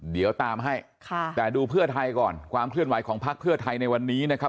เดี๋ยวตามให้ค่ะแต่ดูเพื่อไทยก่อนความเคลื่อนไหวของพักเพื่อไทยในวันนี้นะครับ